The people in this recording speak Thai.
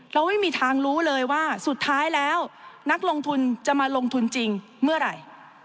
เราไม่มีทางรู้เลยว่าสุดท้ายแล้วนักลงทุนจะมาลงทุนจริงเมื่อไหร่